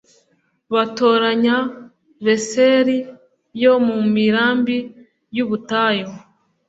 batoranya beseri, yo mu mirambi y'ubutayu